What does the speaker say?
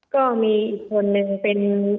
ก็มีอีกคนนึงเป็น